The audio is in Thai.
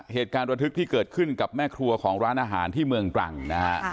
เหตุการณ์ระทึกที่เกิดขึ้นกับแม่ครัวของร้านอาหารที่เมืองตรังนะฮะ